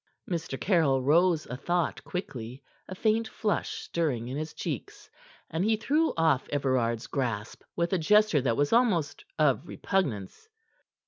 Mr. Caryll rose a thought quickly, a faint flush stirring in his cheeks, and he threw off Everard's grasp with a gesture that was almost of repugnance.